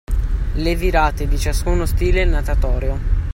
Le virate di ciascuno stile natatorio.